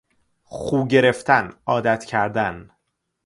خو گرفتن، عادت کردن